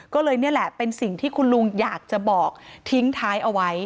ก็เลยนี่แหละเป็นสิ่งที่คุณลุงอยากจะบอกทิ้งท้ายเอาไว้